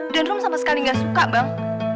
dan rung sama sekali gak suka bang